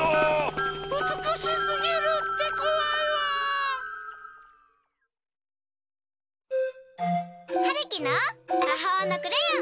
うつくしすぎるってこわいわ！はるきのまほうのクレヨン！